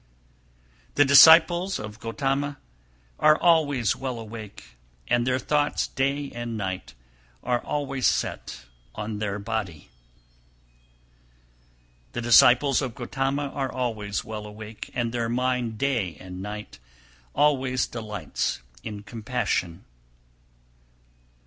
299. The disciples of Gotama are always well awake, and their thoughts day and night are always set on their body. 300. The disciples of Gotama are always well awake, and their mind day and night always delights in compassion.